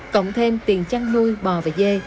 cộng thêm tiền chăn nuôi bò và dê